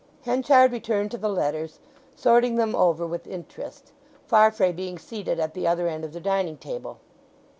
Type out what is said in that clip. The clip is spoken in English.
Henchard returned to the letters, sorting them over with interest, Farfrae being seated at the other end of the dining table.